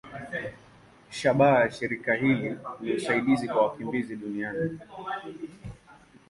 Shabaha ya shirika hili ni usaidizi kwa wakimbizi duniani.